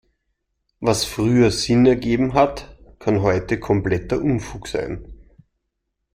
Was früher Sinn ergeben hat, kann heute kompletter Unfug sein.